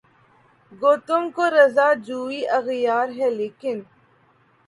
گو تم کو رضا جوئیِ اغیار ہے لیکن